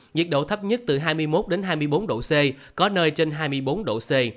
nhiệt độ thấp nhất từ hai mươi một hai mươi bốn độ c có nơi trên hai mươi bốn độ c